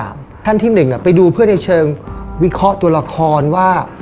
ชั้นที่๑ไปดูเพื่อนเฉิงวิเคราะห์ตัวละครว่า